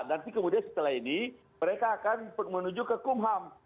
nanti kemudian setelah ini mereka akan menuju ke kumham